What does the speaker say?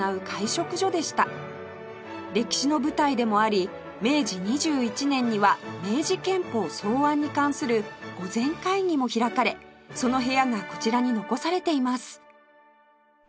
歴史の舞台でもあり明治２１年には明治憲法草案に関する御前会議も開かれその部屋がこちらに残されています